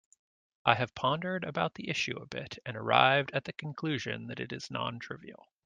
I have pondered about the issue a bit and arrived at the conclusion that it is non-trivial.